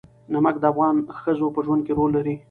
نمک د افغان ښځو په ژوند کې رول لري.